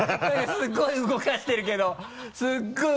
すごい動かしてるけど！